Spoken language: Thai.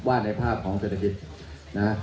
ว่าในภาพของเศรษฐกิจ